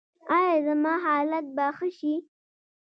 ایا زما حالت به ښه شي؟